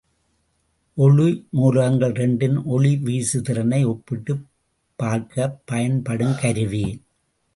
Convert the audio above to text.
ஒளிமூலங்கள் இரண்டின் ஒளி வீசுதிறனை ஒப்பிட்டுப் பார்க்கப் பயன்படுங் கருவி.